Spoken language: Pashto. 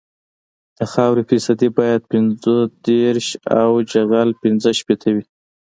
د خاورې فیصدي باید پنځه دېرش او جغل پینځه شپیته وي